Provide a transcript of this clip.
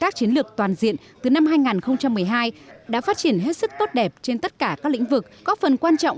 tác chiến lược toàn diện từ năm hai nghìn một mươi hai đã phát triển hết sức tốt đẹp trên tất cả các lĩnh vực có phần quan trọng